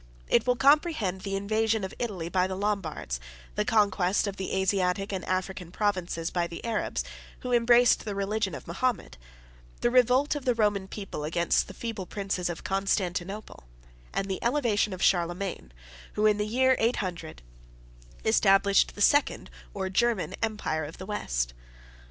It will comprehend the invasion of Italy by the Lombards; the conquest of the Asiatic and African provinces by the Arabs, who embraced the religion of Mahomet; the revolt of the Roman people against the feeble princes of Constantinople; and the elevation of Charlemagne, who, in the year eight hundred, established the second, or German Empire of the West.